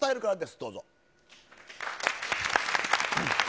どうぞ。